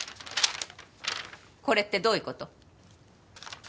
これってどういう事？